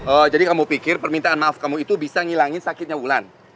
oh jadi kamu pikir permintaan maaf kamu itu bisa ngilangin sakitnya bulan